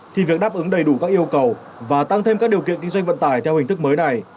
thì việc đáp ứng đầy đủ các yêu cầu và tăng thêm các điều kiện kinh doanh vận tải theo hình thức mới này